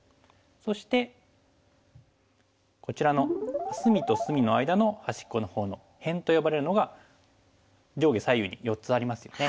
そしてこちらの隅と隅の間の端っこの方の「辺」と呼ばれるのが上下左右に４つありますよね。